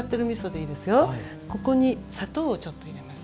ここに砂糖をちょっと入れます。